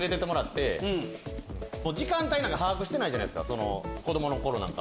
時間帯なんか把握してない子供の頃なんか。